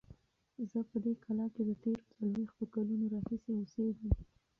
زه په دې کلا کې د تېرو څلوېښتو کلونو راهیسې اوسیږم.